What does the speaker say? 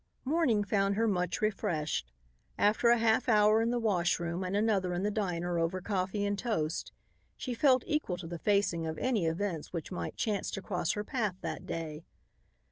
Morning found her much refreshed. After a half hour in the washroom and another in the diner, over coffee and toast, she felt equal to the facing of any events which might chance to cross her path that day.